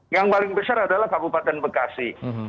yang paling besar adalah kabupaten bekasi